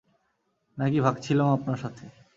নাকি ভাগছিলাম আপনার সাথে?